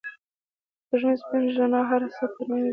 د سپوږمۍ سپین رڼا هر څه ته نوی بڼه ورکوي.